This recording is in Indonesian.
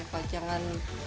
tercapai kok jangan